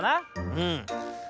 うん。